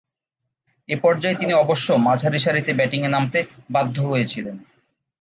এ পর্যায়ে তিনি অবশ্য মাঝারিসারিতে ব্যাটিংয়ে নামতে বাধ্য হয়েছিলেন।